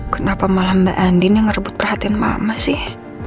kenapa malah mbak andi ini ngerebut perhatian mama sih